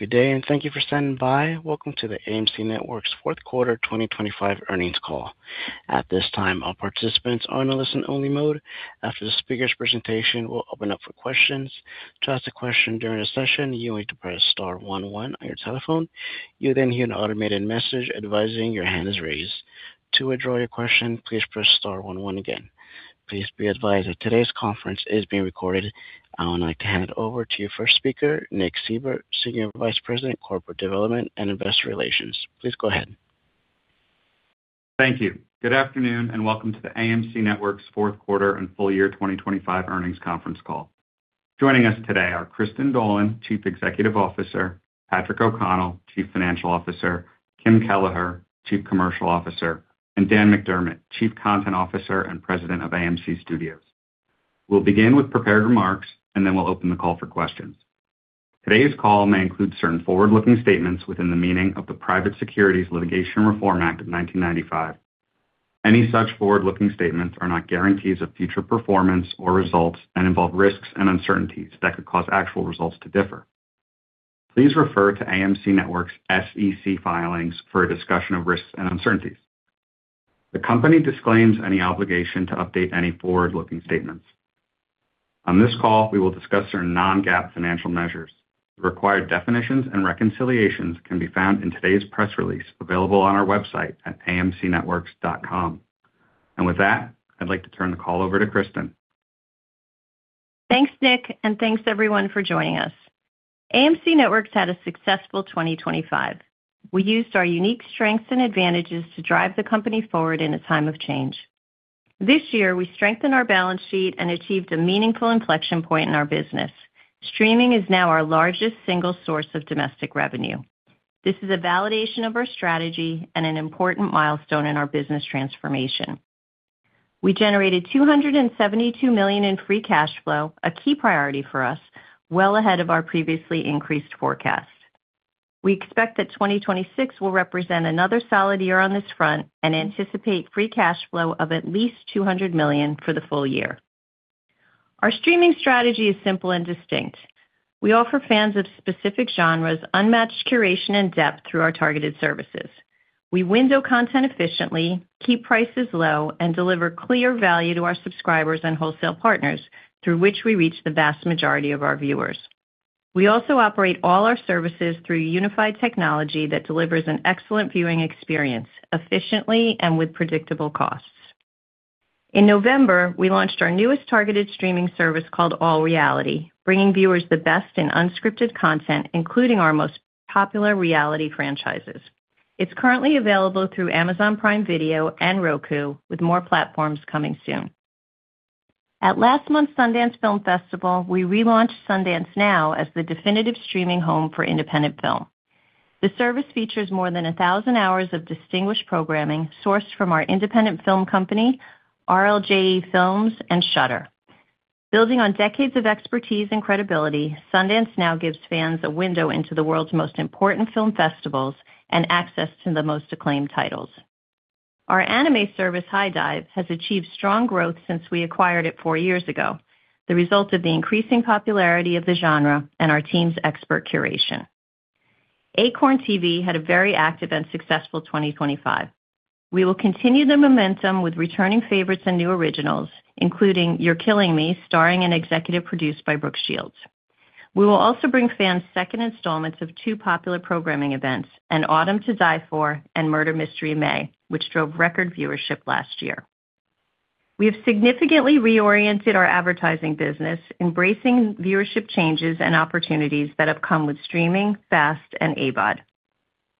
Good day and thank you for standing by. Welcome to the AMC Networks fourth quarter 2025 earnings call. At this time, all participants are in a listen-only mode. After the speaker's presentation, we'll open up for questions. To ask a question during the session, you need to press star 11 on your telephone. You'll then hear an automated message advising your hand is raised. To withdraw your question, please press star 11 again. Please be advised that today's conference is being recorded. I would like to hand it over to your first speaker, Nick Seibert, Senior Vice President, Corporate Development and Investor Relations. Please go ahead. Thank you. Good afternoon and welcome to the AMC Networks fourth quarter and full year 2025 earnings conference call. Joining us today are Kristin Dolan, Chief Executive Officer; Patrick O'Connell, Chief Financial Officer; Kim Kelleher, Chief Commercial Officer; and Dan McDermott, Chief Content Officer and President of AMC Studios. We'll begin with prepared remarks, and then we'll open the call for questions. Today's call may include certain forward-looking statements within the meaning of the Private Securities Litigation Reform Act of 1995. Any such forward-looking statements are not guarantees of future performance or results and involve risks and uncertainties that could cause actual results to differ. Please refer to AMC Networks' SEC filings for a discussion of risks and uncertainties. The company disclaims any obligation to update any forward-looking statements. On this call, we will discuss certain non-GAAP financial measures. The required definitions and reconciliations can be found in today's press release available on our website at amcnetworks.com. With that, I'd like to turn the call over to Kristin. Thanks, Nick, and thanks everyone for joining us. AMC Networks had a successful 2025. We used our unique strengths and advantages to drive the company forward in a time of change. This year, we strengthened our balance sheet and achieved a meaningful inflection point in our business. Streaming is now our largest single source of domestic revenue. This is a validation of our strategy and an important milestone in our business transformation. We generated $272 million in free cash flow, a key priority for us, well ahead of our previously increased forecast. We expect that 2026 will represent another solid year on this front and anticipate free cash flow of at least $200 million for the full year. Our streaming strategy is simple and distinct. We offer fans of specific genres unmatched curation and depth through our targeted services. We window content efficiently, keep prices low, and deliver clear value to our subscribers and wholesale partners through which we reach the vast majority of our viewers. We also operate all our services through unified technology that delivers an excellent viewing experience efficiently and with predictable costs. In November, we launched our newest targeted streaming service called All Reality, bringing viewers the best in unscripted content, including our most popular reality franchises. It's currently available through Amazon Prime Video and Roku, with more platforms coming soon. At last month's Sundance Film Festival, we relaunched Sundance Now as the definitive streaming home for independent film. The service features more than 1,000 hours of distinguished programming sourced from our independent film company, RLJE Films, and Shudder. Building on decades of expertise and credibility, Sundance Now gives fans a window into the world's most important film festivals and access to the most acclaimed titles. Our anime service, HIDIVE, has achieved strong growth since we acquired it four years ago, the result of the increasing popularity of the genre and our team's expert curation. Acorn TV had a very active and successful 2025. We will continue the momentum with returning favorites and new originals, including You're Killing Me, starring and executive produced by Brooke Shields. We will also bring fans second installments of two popular programming events, An Autumn to Die For and Murder Mystery May, which drove record viewership last year. We have significantly reoriented our advertising business, embracing viewership changes and opportunities that have come with streaming, FAST, and AVOD.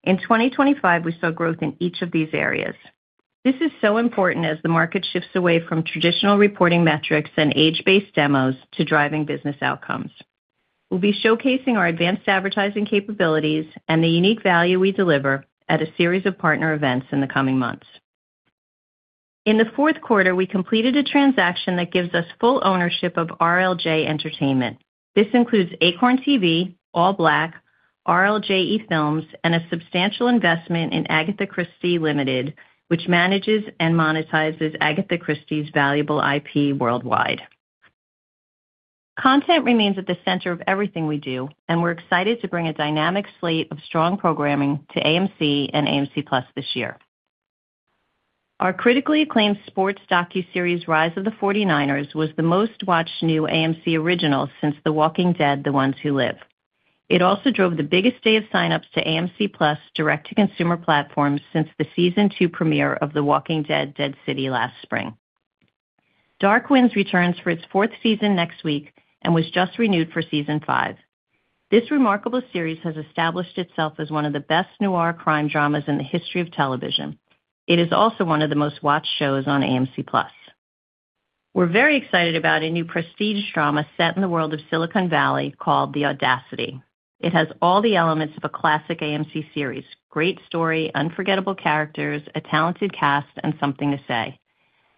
In 2025, we saw growth in each of these areas. This is so important as the market shifts away from traditional reporting metrics and age-based demos to driving business outcomes. We'll be showcasing our advanced advertising capabilities and the unique value we deliver at a series of partner events in the coming months. In the fourth quarter, we completed a transaction that gives us full ownership of RLJ Entertainment. This includes Acorn TV, ALLBLK, RLJE Films, and a substantial investment in Agatha Christie Limited, which manages and monetizes Agatha Christie's valuable IP worldwide. Content remains at the center of everything we do, and we're excited to bring a dynamic slate of strong programming to AMC and AMC+ this year. Our critically acclaimed sports docuseries, Rise of the 49ers, was the most-watched new AMC original since The Walking Dead: The Ones Who Live. It also drove the biggest day of signups to AMC+ direct-to-consumer platforms since the season two premiere of The Walking Dead: Dead City last spring. Dark Winds returns for its fourth season next week and was just renewed for season five. This remarkable series has established itself as one of the best noir crime dramas in the history of television. It is also one of the most-watched shows on AMC+. We're very excited about a new prestige drama set in the world of Silicon Valley called The Audacity. It has all the elements of a classic AMC series: great story, unforgettable characters, a talented cast, and something to say.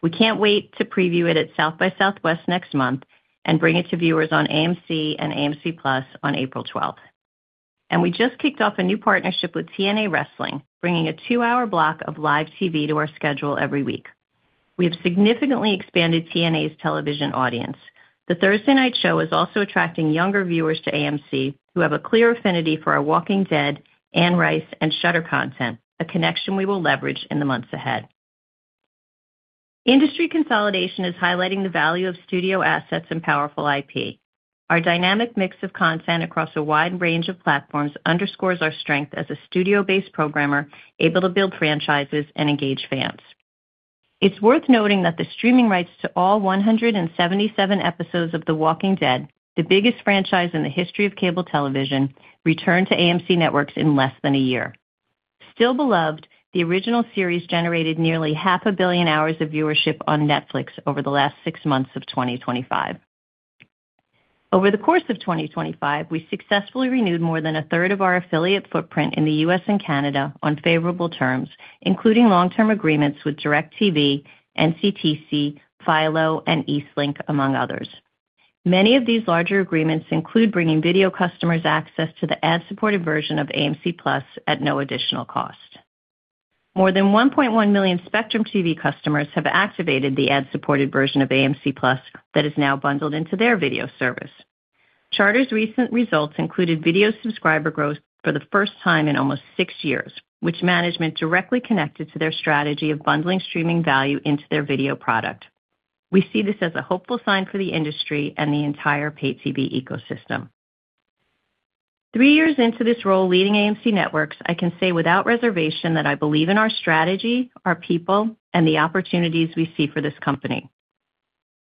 We can't wait to preview it at South by Southwest next month and bring it to viewers on AMC and AMC+ on April 12th. We just kicked off a new partnership with TNA Wrestling, bringing a 2-hour block of live TV to our schedule every week. We have significantly expanded TNA's television audience. The Thursday night show is also attracting younger viewers to AMC who have a clear affinity for our Walking Dead, Anne Rice, and Shudder content, a connection we will leverage in the months ahead. Industry consolidation is highlighting the value of studio assets and powerful IP. Our dynamic mix of content across a wide range of platforms underscores our strength as a studio-based programmer able to build franchises and engage fans. It's worth noting that the streaming rights to all 177 episodes of The Walking Dead, the biggest franchise in the history of cable television, returned to AMC Networks in less than a year. Still beloved, the original series generated nearly 500 million hours of viewership on Netflix over the last six months of 2025. Over the course of 2025, we successfully renewed more than a third of our affiliate footprint in the U.S. and Canada on favorable terms, including long-term agreements with DIRECTV, NCTC, Philo, and Eastlink, among others. Many of these larger agreements include bringing video customers access to the ad-supported version of AMC+ at no additional cost. More than 1.1 million Spectrum TV customers have activated the ad-supported version of AMC+ that is now bundled into their video service. Charter's recent results included video subscriber growth for the first time in almost six years, which management directly connected to their strategy of bundling streaming value into their video product. We see this as a hopeful sign for the industry and the entire pay TV ecosystem. Three years into this role leading AMC Networks, I can say without reservation that I believe in our strategy, our people, and the opportunities we see for this company.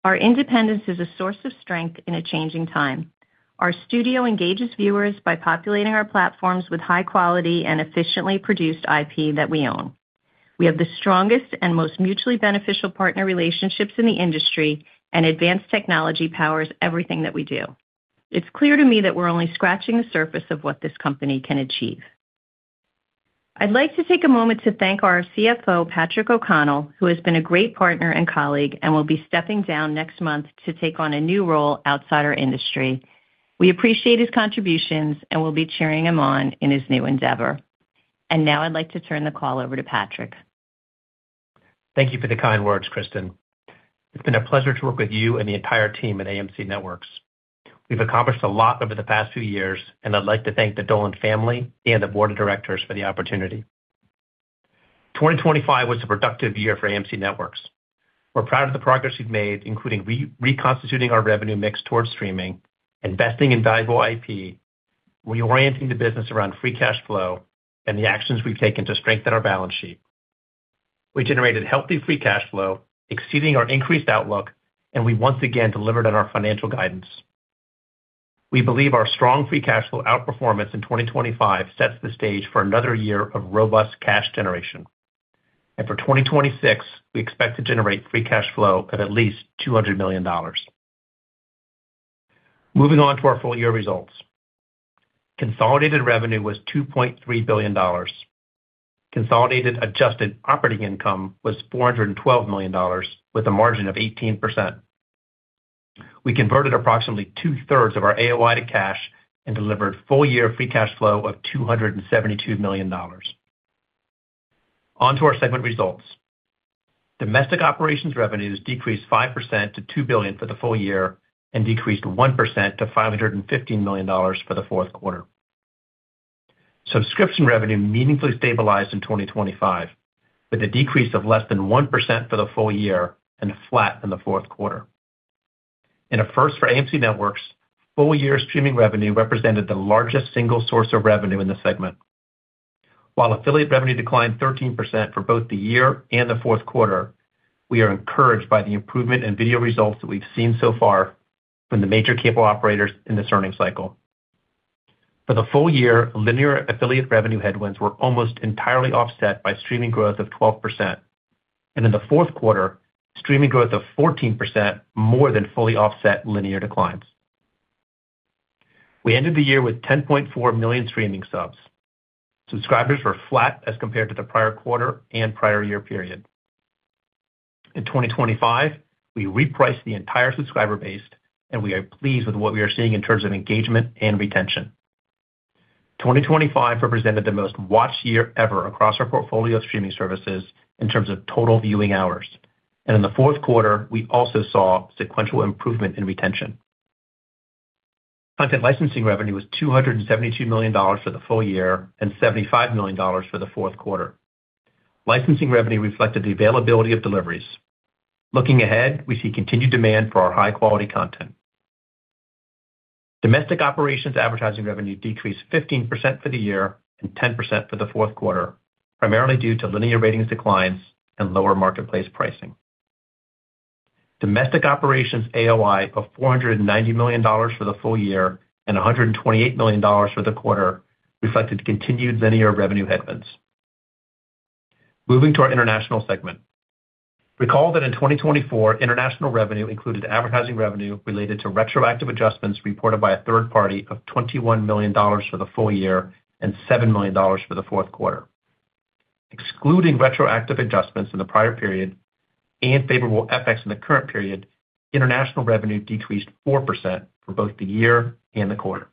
Our independence is a source of strength in a changing time. Our studio engages viewers by populating our platforms with high-quality and efficiently produced IP that we own. We have the strongest and most mutually beneficial partner relationships in the industry, and advanced technology powers everything that we do. It's clear to me that we're only scratching the surface of what this company can achieve. I'd like to take a moment to thank our CFO, Patrick O'Connell, who has been a great partner and colleague and will be stepping down next month to take on a new role outside our industry. We appreciate his contributions and will be cheering him on in his new endeavor. Now I'd like to turn the call over to Patrick. Thank you for the kind words, Kristin. It's been a pleasure to work with you and the entire team at AMC Networks. We've accomplished a lot over the past few years, and I'd like to thank the Dolan family and the board of directors for the opportunity. 2025 was a productive year for AMC Networks. We're proud of the progress we've made, including reconstituting our revenue mix towards streaming, investing in valuable IP, reorienting the business around free cash flow, and the actions we've taken to strengthen our balance sheet. We generated healthy free cash flow, exceeding our increased outlook, and we once again delivered on our financial guidance. We believe our strong free cash flow outperformance in 2025 sets the stage for another year of robust cash generation. For 2026, we expect to generate free cash flow of at least $200 million. Moving on to our full year results. Consolidated revenue was $2.3 billion. Consolidated adjusted operating income was $412 million, with a margin of 18%. We converted approximately two-thirds of our AOI to cash and delivered full year free cash flow of $272 million. Onto our segment results. Domestic operations revenues decreased 5% to $2 billion for the full year and decreased 1% to $515 million for the fourth quarter. Subscription revenue meaningfully stabilized in 2025 with a decrease of less than 1% for the full year and flat in the fourth quarter. In a first for AMC Networks, full year streaming revenue represented the largest single source of revenue in the segment. While affiliate revenue declined 13% for both the year and the fourth quarter, we are encouraged by the improvement in video results that we've seen so far from the major cable operators in this earnings cycle. For the full year, linear affiliate revenue headwinds were almost entirely offset by streaming growth of 12%, and in the fourth quarter, streaming growth of 14% more than fully offset linear declines. We ended the year with 10.4 million streaming subs. Subscribers were flat as compared to the prior quarter and prior year period. In 2025, we repriced the entire subscriber base, and we are pleased with what we are seeing in terms of engagement and retention. 2025 represented the most-watched year ever across our portfolio of streaming services in terms of total viewing hours. In the fourth quarter, we also saw sequential improvement in retention. Content licensing revenue was $272 million for the full year and $75 million for the fourth quarter. Licensing revenue reflected the availability of deliveries. Looking ahead, we see continued demand for our high-quality content. Domestic operations advertising revenue decreased 15% for the year and 10% for the fourth quarter, primarily due to linear ratings declines and lower marketplace pricing. Domestic operations AOI of $490 million for the full year and $128 million for the quarter reflected continued linear revenue headwinds. Moving to our international segment. Recall that in 2024, international revenue included advertising revenue related to retroactive adjustments reported by a third party of $21 million for the full year and $7 million for the fourth quarter. Excluding retroactive adjustments in the prior period and favorable effects in the current period, international revenue decreased 4% for both the year and the quarter.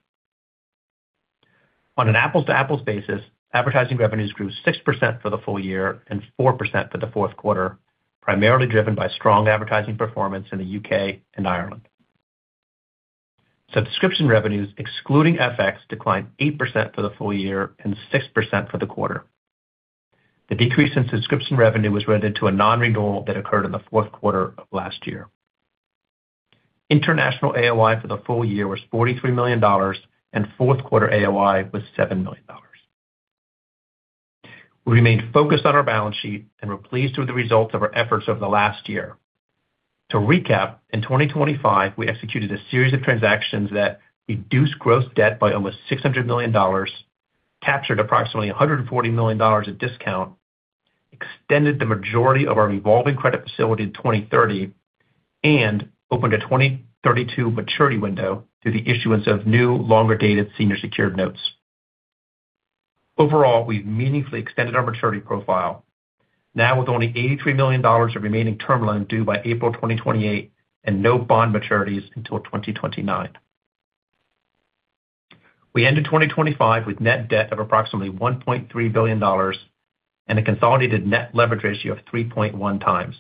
On an apples-to-apples basis, advertising revenues grew 6% for the full year and 4% for the fourth quarter, primarily driven by strong advertising performance in the UK and Ireland. Subscription revenues excluding FX declined 8% for the full year and 6% for the quarter. The decrease in subscription revenue was related to a non-renewal that occurred in the fourth quarter of last year. International AOI for the full year was $43 million, and fourth quarter AOI was $7 million. We remained focused on our balance sheet and were pleased with the results of our efforts over the last year. To recap, in 2025, we executed a series of transactions that reduced gross debt by almost $600 million, captured approximately $140 million in discount, extended the majority of our revolving credit facility to 2030, and opened a 2032 maturity window through the issuance of new, longer-dated senior secured notes. Overall, we've meaningfully extended our maturity profile, now with only $83 million of remaining term loan due by April 2028 and no bond maturities until 2029. We ended 2025 with net debt of approximately $1.3 billion and a consolidated net leverage ratio of 3.1x.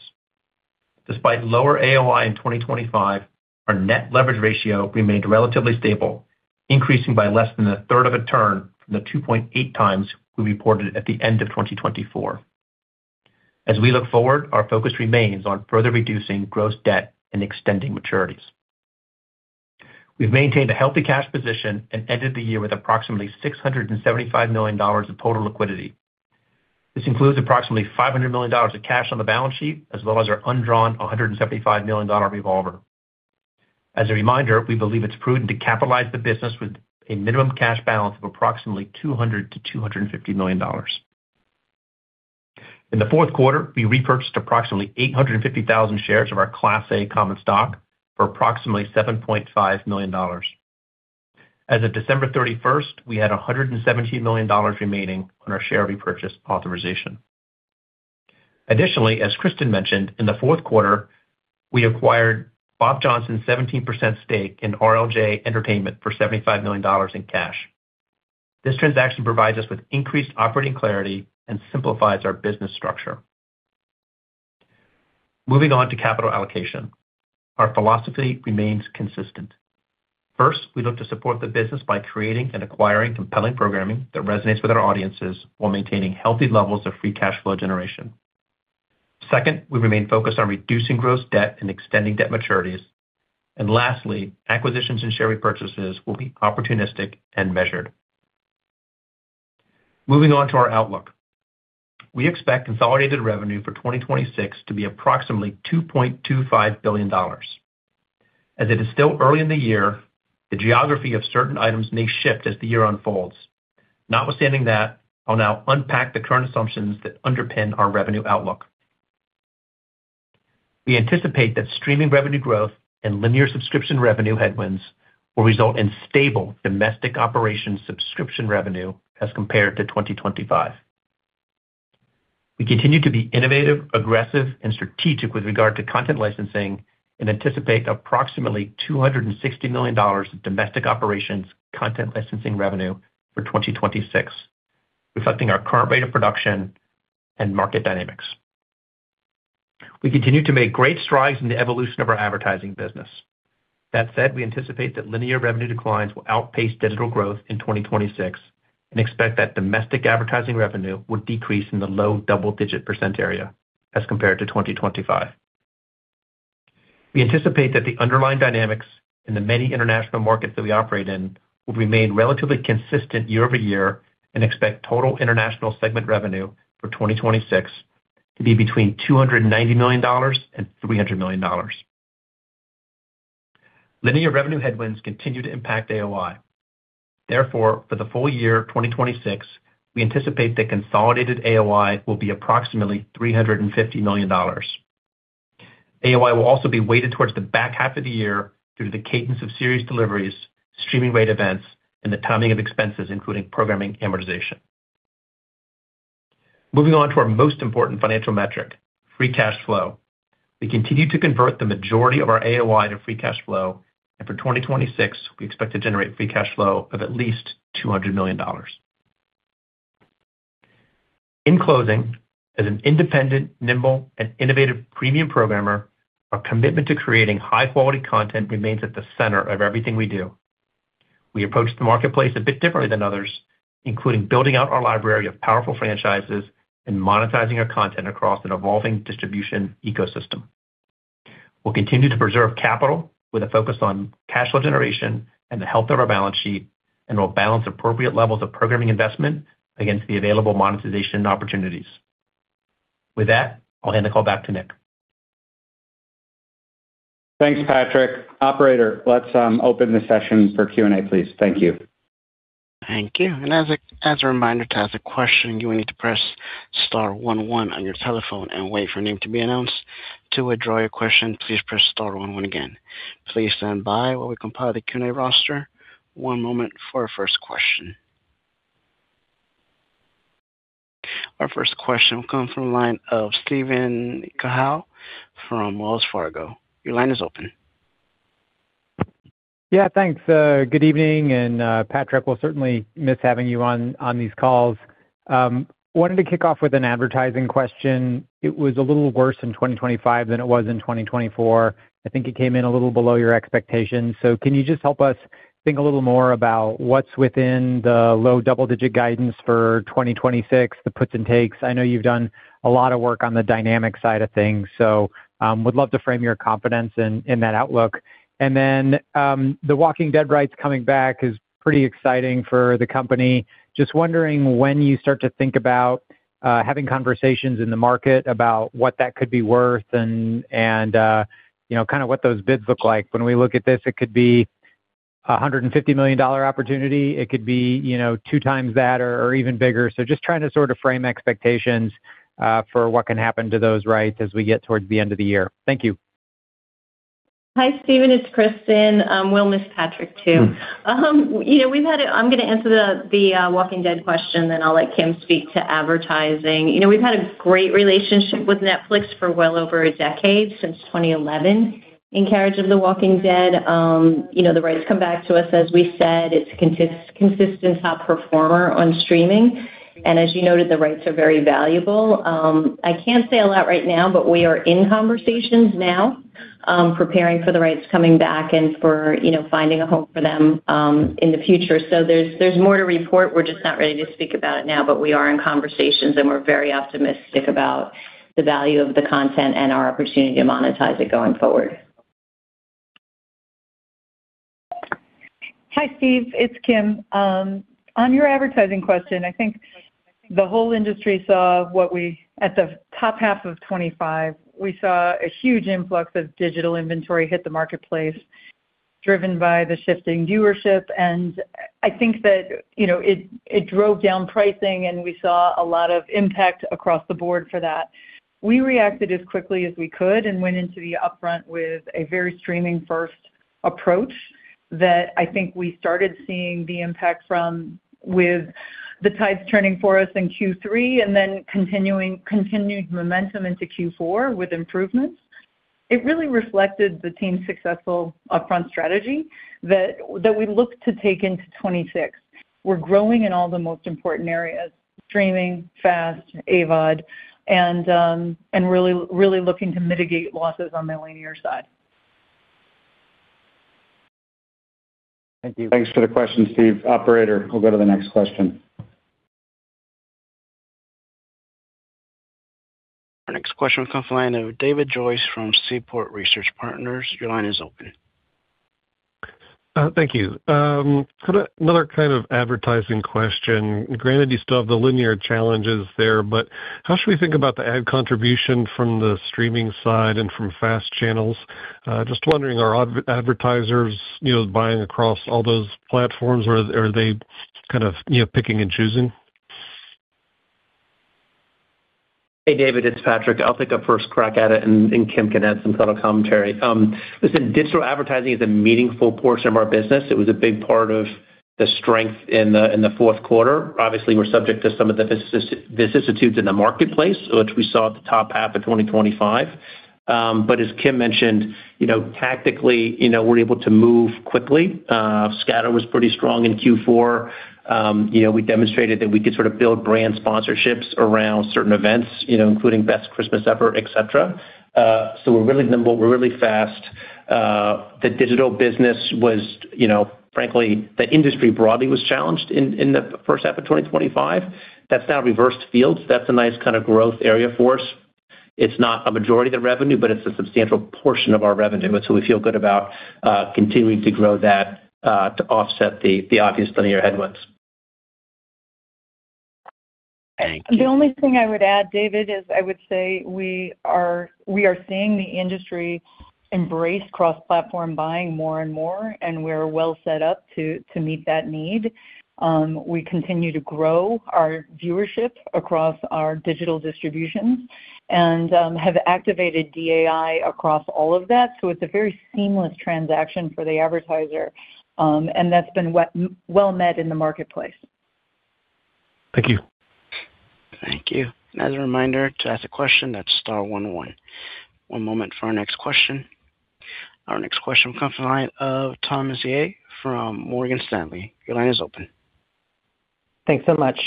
Despite lower AOI in 2025, our net leverage ratio remained relatively stable, increasing by less than a third of a turn from the 2.8x we reported at the end of 2024. As we look forward, our focus remains on further reducing gross debt and extending maturities. We've maintained a healthy cash position and ended the year with approximately $675 million of total liquidity. This includes approximately $500 million of cash on the balance sheet, as well as our undrawn $175 million revolver. As a reminder, we believe it's prudent to capitalize the business with a minimum cash balance of approximately $200-$250 million. In the fourth quarter, we repurchased approximately 850,000 shares of our Class A common stock for approximately $7.5 million. As of December 31st, we had $117 million remaining on our share repurchase authorization. Additionally, as Kristin mentioned, in the fourth quarter, we acquired Bob Johnson's 17% stake in RLJ Entertainment for $75 million in cash. This transaction provides us with increased operating clarity and simplifies our business structure. Moving on to capital allocation, our philosophy remains consistent. First, we look to support the business by creating and acquiring compelling programming that resonates with our audiences while maintaining healthy levels of free cash flow generation. Second, we remain focused on reducing gross debt and extending debt maturities. And lastly, acquisitions and share repurchases will be opportunistic and measured. Moving on to our outlook. We expect consolidated revenue for 2026 to be approximately $2.25 billion. As it is still early in the year, the geography of certain items may shift as the year unfolds. Notwithstanding that, I'll now unpack the current assumptions that underpin our revenue outlook. We anticipate that streaming revenue growth and linear subscription revenue headwinds will result in stable domestic operations subscription revenue as compared to 2025. We continue to be innovative, aggressive, and strategic with regard to content licensing and anticipate approximately $260 million of domestic operations content licensing revenue for 2026, reflecting our current rate of production and market dynamics. We continue to make great strides in the evolution of our advertising business. That said, we anticipate that linear revenue declines will outpace digital growth in 2026 and expect that domestic advertising revenue will decrease in the low double-digit % area as compared to 2025. We anticipate that the underlying dynamics in the many international markets that we operate in will remain relatively consistent year over year and expect total international segment revenue for 2026 to be between $290 million-$300 million. Linear revenue headwinds continue to impact AOI. Therefore, for the full year 2026, we anticipate that consolidated AOI will be approximately $350 million. AOI will also be weighted towards the back half of the year due to the cadence of series deliveries, streaming rate events, and the timing of expenses, including programming amortization. Moving on to our most important financial metric, free cash flow. We continue to convert the majority of our AOI to free cash flow, and for 2026, we expect to generate free cash flow of at least $200 million. In closing, as an independent, nimble, and innovative premium programmer, our commitment to creating high-quality content remains at the center of everything we do. We approach the marketplace a bit differently than others, including building out our library of powerful franchises and monetizing our content across an evolving distribution ecosystem. We'll continue to preserve capital with a focus on cash flow generation and the health of our balance sheet, and we'll balance appropriate levels of programming investment against the available monetization opportunities. With that, I'll hand the call back to Nick. Thanks, Patrick. Operator, let's open the session for Q&A, please. Thank you. Thank you. As a reminder, to ask a question, you will need to press star 11 on your telephone and wait for your name to be announced. To withdraw your question, please press star 11 again. Please stand by while we compile the Q&A roster. One moment for our first question. Our first question will come from the line of Steven Cahall from Wells Fargo. Your line is open. Yeah, thanks. Good evening. And Patrick, we'll certainly miss having you on these calls. Wanted to kick off with an advertising question. It was a little worse in 2025 than it was in 2024. I think it came in a little below your expectations. So can you just help us think a little more about what's within the low double-digit guidance for 2026, the puts and takes? I know you've done a lot of work on the dynamic side of things, so would love to frame your confidence in that outlook. And then The Walking Dead rights coming back is pretty exciting for the company. Just wondering when you start to think about having conversations in the market about what that could be worth and kind of what those bids look like. When we look at this, it could be a $150 million opportunity. It could be 2x that or even bigger. So just trying to sort of frame expectations for what can happen to those rights as we get towards the end of the year. Thank you. Hi, Steven. It's Kristin. We'll miss Patrick too. I'm going to answer The Walking Dead question, then I'll let Kim speak to advertising. We've had a great relationship with Netflix for well over a decade, since 2011, in carriage of The Walking Dead. The rights come back to us, as we said. It's a consistent top performer on streaming. And as you noted, the rights are very valuable. I can't say a lot right now, but we are in conversations now, preparing for the rights coming back and for finding a home for them in the future. So there's more to report. We're just not ready to speak about it now, but we are in conversations, and we're very optimistic about the value of the content and our opportunity to monetize it going forward. Hi, Steve. It's Kim. On your advertising question, I think the whole industry saw what we at the top half of 2025, we saw a huge influx of digital inventory hit the marketplace, driven by the shifting viewership. And I think that it drove down pricing, and we saw a lot of impact across the board for that. We reacted as quickly as we could and went into the upfront with a very streaming-first approach that I think we started seeing the impact from with the tides turning for us in Q3 and then continued momentum into Q4 with improvements. It really reflected the team's successful upfront strategy that we looked to take into 2026. We're growing in all the most important areas: streaming, FAST, AVOD, and really looking to mitigate losses on the linear side. Thank you. Thanks for the question, Steve. Operator, we'll go to the next question. Our next question will come from the line of David Joyce from Seaport Research Partners. Your line is open. Thank you. Another kind of advertising question. Granted, you still have the linear challenges there, but how should we think about the ad contribution from the streaming side and from fast channels? Just wondering, are advertisers buying across all those platforms, or are they kind of picking and choosing? Hey, David. It's Patrick. I'll take a first crack at it, and Kim can add some subtle commentary. Listen, digital advertising is a meaningful portion of our business. It was a big part of the strength in the fourth quarter. Obviously, we're subject to some of the vicissitudes in the marketplace, which we saw at the top half of 2025. But as Kim mentioned, tactically, we're able to move quickly. Scatter was pretty strong in Q4. We demonstrated that we could sort of build brand sponsorships around certain events, including Best Christmas Ever, etc. So we're really nimble, we're really fast. The digital business was frankly, the industry broadly was challenged in the first half of 2025. That's now reversed fields. That's a nice kind of growth area for us. It's not a majority of the revenue, but it's a substantial portion of our revenue. And so we feel good about continuing to grow that to offset the obvious linear headwinds. Thank you. The only thing I would add, David, is I would say we are seeing the industry embrace cross-platform buying more and more, and we're well set up to meet that need. We continue to grow our viewership across our digital distributions and have activated DAI across all of that. So it's a very seamless transaction for the advertiser, and that's been well met in the marketplace. Thank you. Thank you. As a reminder, to ask a question, that's star 11. One moment for our next question. Our next question will come from the line of Thomas Yeh from Morgan Stanley. Your line is open. Thanks so much.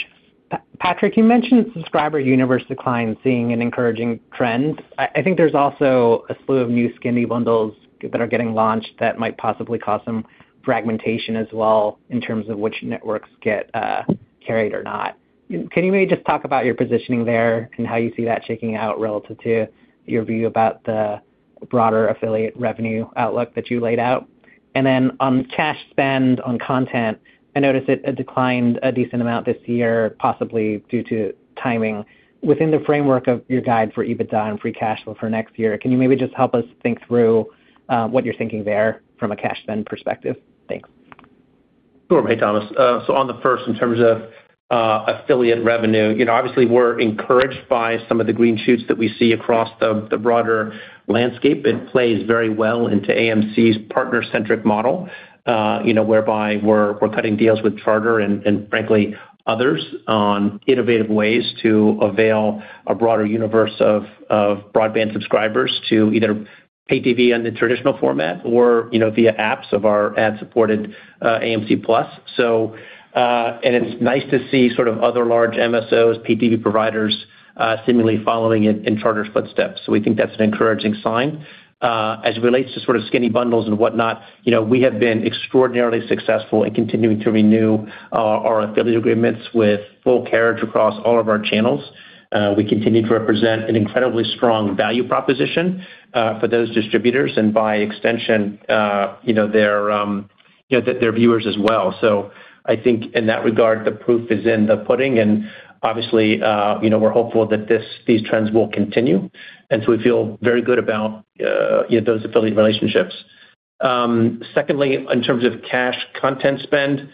Patrick, you mentioned subscriber universe declines seeing an encouraging trend. I think there's also a slew of new skinny bundles that are getting launched that might possibly cause some fragmentation as well in terms of which networks get carried or not. Can you maybe just talk about your positioning there and how you see that shaking out relative to your view about the broader affiliate revenue outlook that you laid out? And then on cash spend on content, I noticed it declined a decent amount this year, possibly due to timing. Within the framework of your guide for EBITDA and free cash flow for next year, can you maybe just help us think through what you're thinking there from a cash spend perspective? Thanks. Sure. Hey, Thomas. So on the first, in terms of affiliate revenue, obviously, we're encouraged by some of the green shoots that we see across the broader landscape. It plays very well into AMC's partner-centric model, whereby we're cutting deals with Charter and, frankly, others on innovative ways to avail a broader universe of broadband subscribers to either pay TV in the traditional format or via apps of our ad-supported AMC+. And it's nice to see sort of other large MSOs, pay TV providers, seemingly following it in Charter's footsteps. So we think that's an encouraging sign. As it relates to sort of skinny bundles and whatnot, we have been extraordinarily successful in continuing to renew our affiliate agreements with full carriage across all of our channels. We continue to represent an incredibly strong value proposition for those distributors and, by extension, their viewers as well. So I think, in that regard, the proof is in the pudding. And obviously, we're hopeful that these trends will continue. And so we feel very good about those affiliate relationships. Secondly, in terms of cash content spend,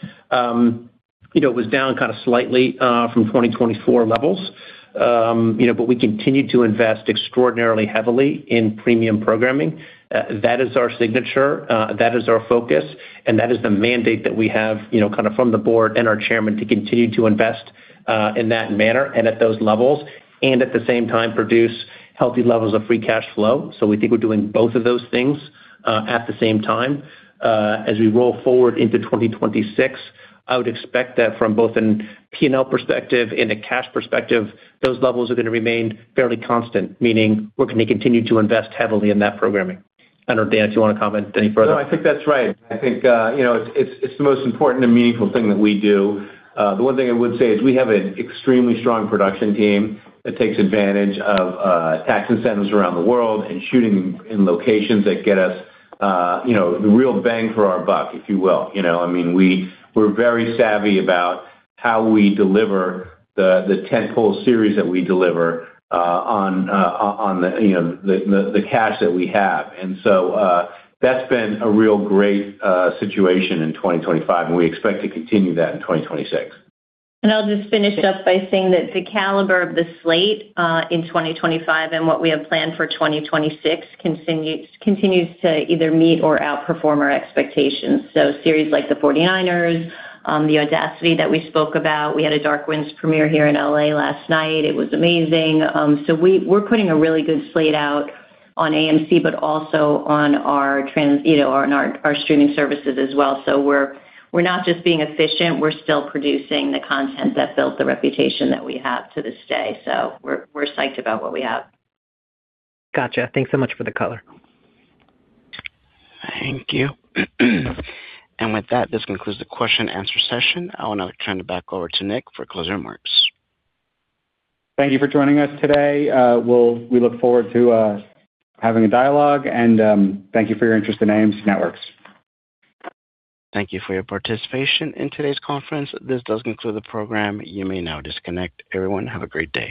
it was down kind of slightly from 2024 levels, but we continue to invest extraordinarily heavily in premium programming. That is our signature. That is our focus. And that is the mandate that we have kind of from the board and our chairman to continue to invest in that manner and at those levels and, at the same time, produce healthy levels of free cash flow. So we think we're doing both of those things at the same time. As we roll forward into 2026, I would expect that from both a P&L perspective and a cash perspective, those levels are going to remain fairly constant, meaning we're going to continue to invest heavily in that programming. I don't know, Dan, if you want to comment any further. No, I think that's right. I think it's the most important and meaningful thing that we do. The one thing I would say is we have an extremely strong production team that takes advantage of tax incentives around the world and shooting in locations that get us the real bang for our buck, if you will. I mean, we're very savvy about how we deliver the tentpole series that we deliver on the cash that we have. And so that's been a real great situation in 2025, and we expect to continue that in 2026. I'll just finish up by saying that the caliber of the slate in 2025 and what we have planned for 2026 continues to either meet or outperform our expectations. So series like the 49ers, The Audacity that we spoke about, we had a Dark Winds premiere here in L.A. last night. It was amazing. So we're putting a really good slate out on AMC but also on our streaming services as well. So we're not just being efficient. We're still producing the content that built the reputation that we have to this day. So we're psyched about what we have. Gotcha. Thanks so much for the color. Thank you. With that, this concludes the question-and-answer session. I want to turn it back over to Nick for closing remarks. Thank you for joining us today. We look forward to having a dialogue. Thank you for your interest in AMC Networks. Thank you for your participation in today's conference. This does conclude the program. You may now disconnect. Everyone, have a great day.